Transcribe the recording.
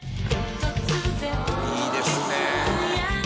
「いいですね」